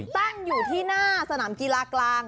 ตั้งอยู่ที่หน้าสนามกีฬากลาง